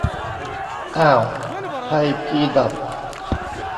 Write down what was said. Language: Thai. อ้าว ไทยพีดับ